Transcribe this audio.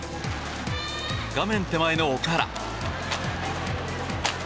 画面手前の奥原。